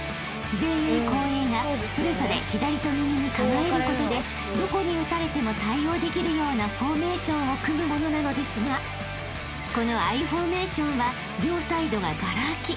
［前衛後衛がそれぞれ左と右に構えることでどこに打たれても対応できるようなフォーメーションを組むものなのですがこのＩフォーメーションは両サイドががら空き］